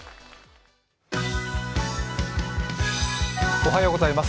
おはようございます。